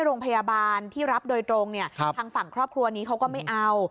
โรงพยาบาลที่รับโดยตรงเนี่ยทางฝั่งครอบครัวนี้เขาก็ไม่เอา